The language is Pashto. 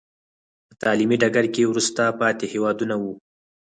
په تعلیمي ډګر کې وروسته پاتې هېوادونه وو.